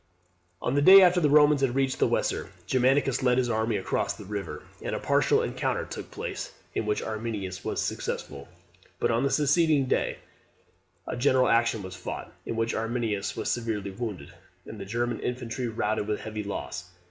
On the day after the Romans had reached the Weser, Germanicus led his army across that river, and a partial encounter took place, in which Arminius was successful. But on the succeeding day a general action was fought, in which Arminius was severely wounded, and the German infantry routed with heavy loss.